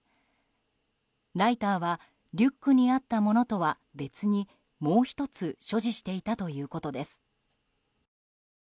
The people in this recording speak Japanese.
ライターはリュックにあったものとは別にもう１つ所持していたということです。